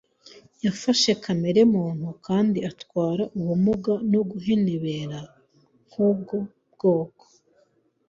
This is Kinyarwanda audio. Yafashe kamere muntu kandi atwara ubumuga no guhenebera k’ubwo bwoko.